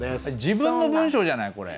自分の文章じゃないこれ。